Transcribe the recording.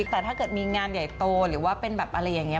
แต่ถ้าเกิดมีงานใหญ่โตหรือว่าเป็นแบบอะไรอย่างนี้